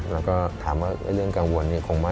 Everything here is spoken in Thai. แล้วก็ถามว่าเรื่องกังวลคงไม่